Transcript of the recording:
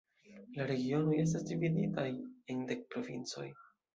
La Regionoj estas dividitaj en dek provincoj.